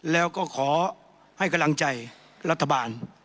แล้วก็ขอให้กำลังใจรัฐบาล